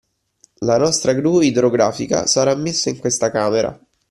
La nostra gru idrografica sarà messa in questa camera